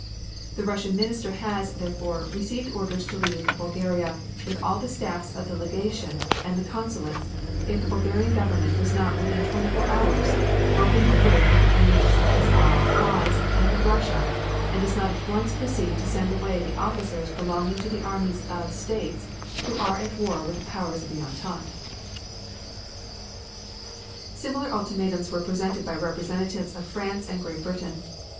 The Russian Minister has, therefore, received orders to leave Bulgaria with all the staffs of the Legation and the Consulates if the Bulgarian Government does not within twenty four hours openly break with the enemies of the Slav cause and of Russia, and does not at once proceed to send away the officers belonging to the armies of states who are at war with the powers of the Entente. Similar ultimatums were presented by representatives of France and Great Britain.